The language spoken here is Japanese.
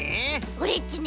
オレっちね